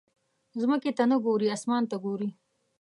ځمکې ته نه ګورې، اسمان ته ګورې.